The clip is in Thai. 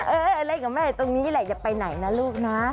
เล่นกับแม่ตรงนี้แหละอย่าไปไหนนะลูกนะ